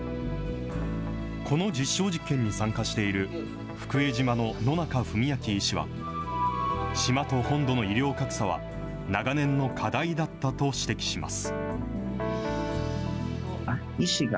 この実証実験に参加している、福江島の野中文陽医師は、島と本土の医療格差は、長年の課題だったと指摘します。